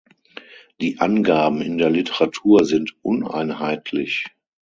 Die Angaben in der Literatur sind uneinheitlich.